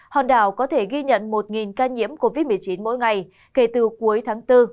hòn đảo có thể ghi nhận một ca nhiễm covid một mươi chín mỗi ngày kể từ cuối tháng bốn